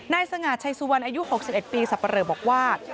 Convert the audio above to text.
สง่าชัยสุวรรณอายุ๖๑ปีสับปะเรอบอกว่า